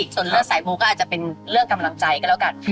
ส่วนเลือดสายมูก็อาจจะเป็นเรื่องกำลังใจก็แล้วกัน